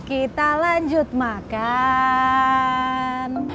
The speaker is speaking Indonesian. kita lanjut makan